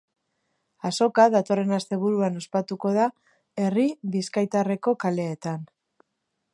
Azoka datorren asteburuan ospatuko da herri bizkaitarreko kaleetan.